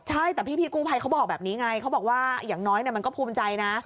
ใช่แต่พี่กู้ภัยเขาบอกแบบนี้ไงเขาบอกว่าอย่างน้อยมันก็ภูมิใจนะ